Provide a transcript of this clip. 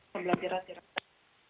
pembelajaran jarak jauh